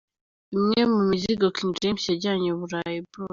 Imwe mu mizigo King James yajyanye i Burayi.